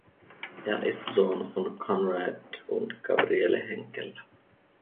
Er ist Sohn von Konrad und Gabriele Henkel.